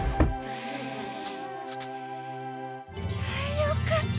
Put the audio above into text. よかった。